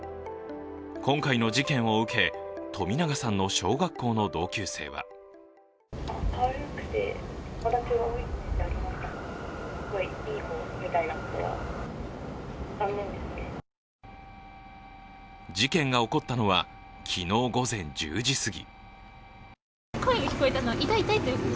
今回の事件を受け、冨永さんの小学校の同級生は事件が起こったのは昨日、午前１０時すぎ。